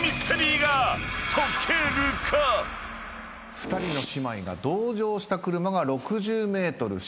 ２人の姉妹が同乗した車が６０ｍ下。